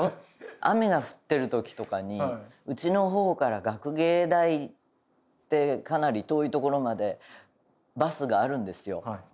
雨が降ってる時とかにうちの方から学芸大ってかなり遠い所までバスがあるんですよ。